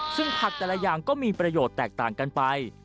ซึ่งผักแต่ละอย่างก็มีประโยชน์แตกต่างกันไป